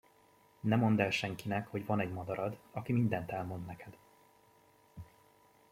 Ne mondd el senkinek, hogy van egy madarad, aki mindent elmond neked.